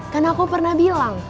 kan aku pernah bilang